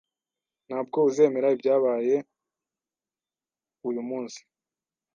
Ntabwo uzemera ibyabaye uyu munsi.